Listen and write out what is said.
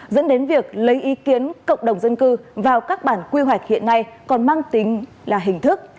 dẫn đến việc lấy ý kiến cộng đồng dân cư vào các bản quy hoạch hiện nay còn mang tính là hình thức